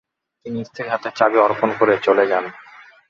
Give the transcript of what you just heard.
তিনি স্ত্রীর হাতে চাবি অর্পণ করে চলে যান।